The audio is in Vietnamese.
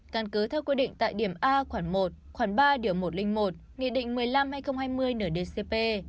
căn cứ theo quy định tại điểm a khoảng một khoảng ba một trăm linh một nghị định một mươi năm hay hai mươi nở dcp